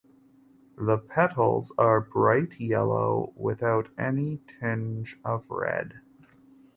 The petals are bright yellow without any tinge of red.